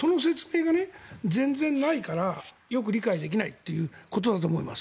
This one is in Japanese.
その説明が全然ないからよく理解できないということだと思います。